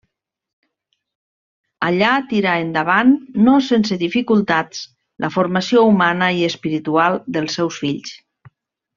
Allà tirà endavant, no sense dificultats, la formació humana i espiritual dels seus fills.